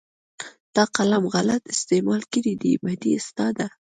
تا قلم غلط استعمال کړى دى بدي ستا ده.